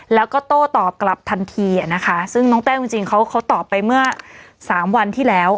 แล้วก็โต้ตอบกลับทันทีอ่ะนะคะซึ่งน้องแต้วจริงจริงเขาเขาตอบไปเมื่อสามวันที่แล้ว